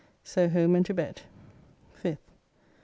So home and to bed. 5th.